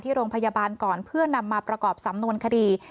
โรงพยาบาลก่อนเพื่อนำมาประกอบสำนวนคดี